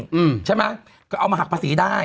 บอกว่าเอามาหักภาษีได้